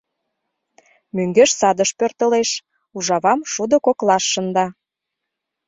Мӧҥгеш садыш пӧртылеш, ужавам шудо коклаш шында.